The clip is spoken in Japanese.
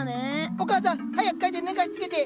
お母さん早く帰って寝かしつけて！